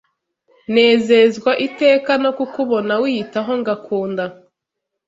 Nezezwa iteka no kukubona wiyitaho ngakunda